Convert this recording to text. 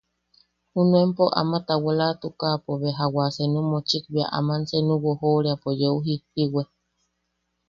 Junuenpo, ama a tawalatuko beja wa seenu mochik bea aman seenu wojoʼoriapo yeu jijjiwe.